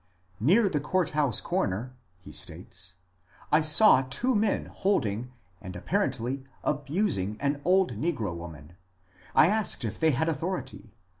^^ Near the court house comer," he states, ^* I saw two men holding and apparently abusing an old negro woman. I asked if they had authority.